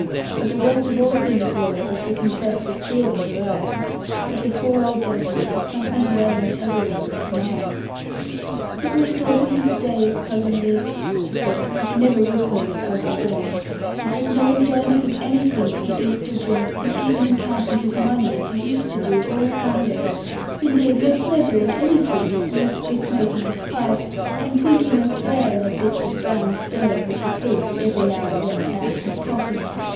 But the worst of all things was, as she confessed with tears in her eyes, that the poor old gentleman had something weighing heavily on his mind. 'It will shorten his days, Cousin Ridd,' she said, for she never would call me Cousin John; 'he has no enjoyment of anything that he eats or drinks, nor even in counting his money, as he used to do all Sunday; indeed no pleasure in anything, unless it be smoking his pipe, and thinking and staring at bits of brown stone, which he pulls, every now and then, out of his pockets.